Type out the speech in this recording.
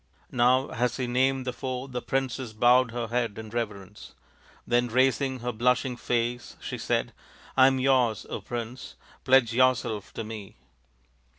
Now as he named the four the princess bowed her head in reverence. Then raising her blushing face she said, "I am yours, Prince. Pledge yourself to me."